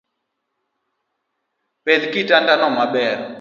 Pedh kitanda no maber